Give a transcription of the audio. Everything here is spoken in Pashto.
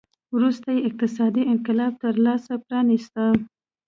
وروسته یې اقتصادي انقلاب ته لار پرانېسته.